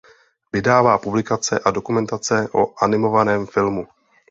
Vydává publikace a dokumentace o animovaném filmu.